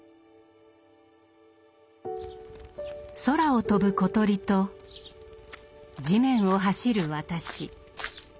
空を飛ぶ小鳥と地面を走る私。